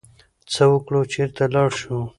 څه وکړو، چرته لاړ شو؟